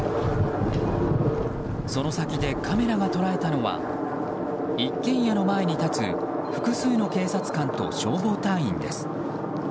その先でカメラが捉えたのは一軒家の前に立つ複数の警察官と消防隊員です。